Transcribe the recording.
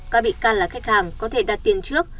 các bị can là khách hàng có thể đặt tiền trước